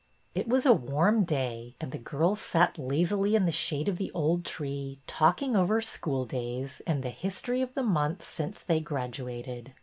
It was a warm day, and the girls sat lazily in the shade of the old tree, talking over school days and the history of the months since they gradu ated.